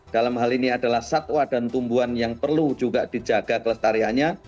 dalam hal ini adalah satwa dan tumbuhan yang perlu juga dijaga kelestariannya